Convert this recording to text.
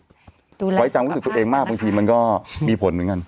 ดูแลสมภาพนะครับไว้ใจความรู้สึกตัวเองมากบางทีมันก็มีผลเหมือนกัน